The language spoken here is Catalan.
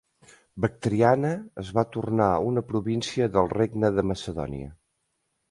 Bactriana es va tornar una província del Regne de Macedònia.